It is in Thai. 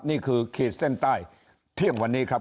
นี่คือเขตเส้นใต้เที่ยงวันนี้ครับ